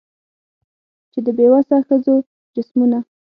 چي د بې وسه ښځو جسمونه